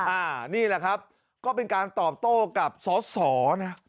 อันนี้แหละครับก็เป็นการตอบโต้กับสอสอนะ